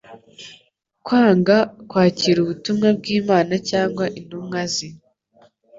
kwanga kwakira ubutumwa bw'Imana cyangwa intumwa ze